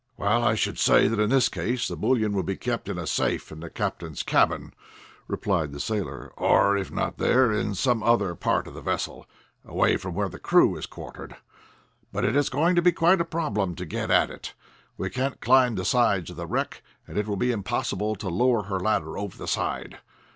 "Well, I should say that in this case the bullion would be kept in a safe in the captain's cabin," replied the sailor. "Or, if not there, in some after part of the vessel, away from where the crew is quartered. But it is going to be quite a problem to get at it. We can't climb the sides of the wreck, and it will be impossible to lower her ladder over the side.